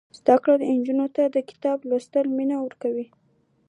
زده کړه نجونو ته د کتاب لوستلو مینه ورکوي.